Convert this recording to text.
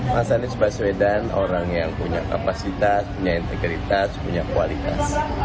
mas anies baswedan orang yang punya kapasitas punya integritas punya kualitas